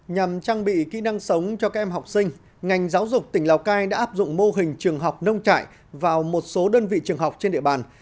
nhằm trang bị kỹ năng sống cho các em học sinh ngành giáo dục tỉnh lào cai đã áp dụng mô hình trường học nông trại vào một số đơn vị trường học trên địa bàn